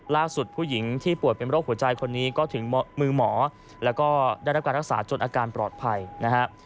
ล่าสุดผู้หญิงที่ปวดเป็นภูริใจก็ถึงมือหมอแล้วก็ได้รับการรักษาจนอาการปลอดภัยนะครับ